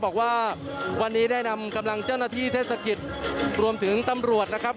บอกว่าวันนี้ได้นำกำลังเจ้าหน้าที่เทศกิจรวมถึงตำรวจนะครับ